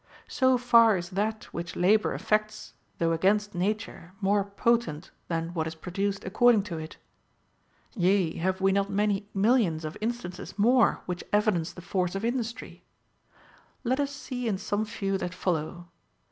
So far is that which labor effects, though against nature, more potent than what is produced according to it. Yea, have Ave not many millions of in stances more which evidence the force of industry? Let us see in some few that follow.